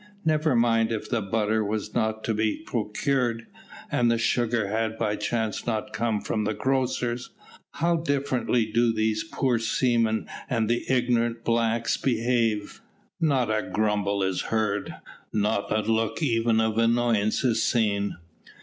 Never mind if the butter was not to be procured, and the sugar had by chance not come from the grocer's. How differently do these poor seamen and the ignorant blacks behave. Not a grumble is heard, not a look even of annoyance is seen."